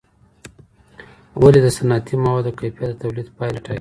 ولي د صنعتي موادو کیفیت د تولید پایله ټاکي؟